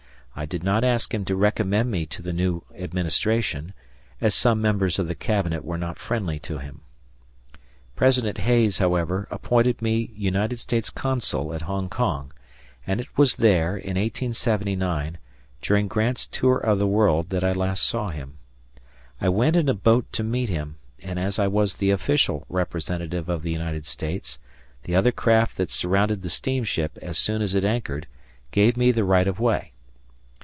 I did not ask him to recommend me to the new administration, as some members of the Cabinet were not friendly to him. President Hayes, however, appointed me United States Consul at Hong Kong; and it was there, in 1879, during Grant's tour of the world, that I last saw him. I went in a boat to meet him, and, as I was the official representative of the United States, the other craft that surrounded the steamship as soon as it anchored gave me the right of way.